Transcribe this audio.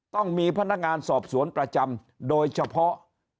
ต้องมีพนักงานสอบสวนประจำโดยเฉพาะ